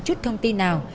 chút thông tin nào